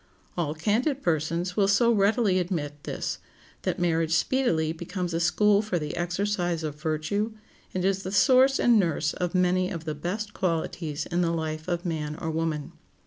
All candid persons will so readily admit this, that marriage speedily becomes a school for the exercise of virtue, and is the source and nurse of many of the best qualities in the life of man or woman.